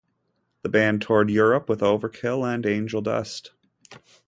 The band toured Europe with Overkill and Angel Dust.